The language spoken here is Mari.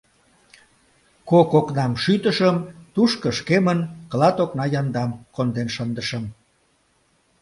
Кок окнам шӱтышым, тушко шкемын клат окна яндам конден шындышым.